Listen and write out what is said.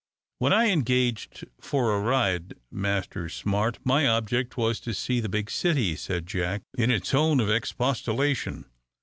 "When I engaged for a ride, Master Smart, my object was to see the big city," said Jack, in a tone of expostulation.